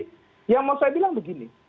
jadi yang mau saya bilang begini